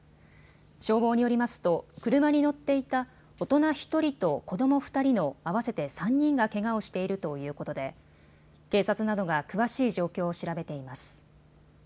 消防によりますと車に乗っていた大人１人と子ども２人の合わせて３人がけがをしているということで警察などが詳しい状況を調べています。